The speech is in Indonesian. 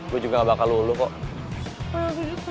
gue juga gak bakal lulu kok